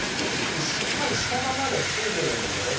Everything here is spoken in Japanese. しっかり下葉までついてるんですよね